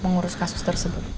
mengurus kasus tersebut